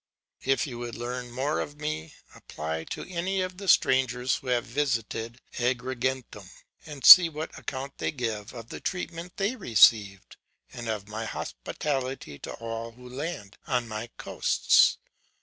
'If you would learn more of me, apply to any of the strangers who have visited Agrigentum; and see what account they give of the treatment they received, and of my hospitality to all who land on my coasts.